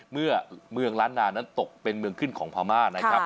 เมื่อเมืองล้านนานั้นตกเป็นเมืองขึ้นของพม่านะครับ